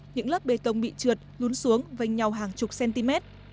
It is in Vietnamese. những lớp bê tông bị trượt lún xuống vành nhau hàng chục cm